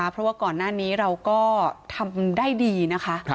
เพราะว่าก่อนหน้านี้เราก็ทำได้ดีนะคะ